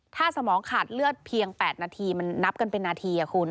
ถ้าสมองขาดเลือดเพียง๘นาทีมันนับกันเป็นนาทีคุณ